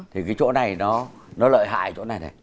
thì cái chỗ này nó lợi hại chỗ này thế